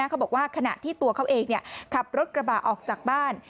เขาบอกว่าขณะที่ตัวเขาเองขับรถกระบะออกจากบ้าน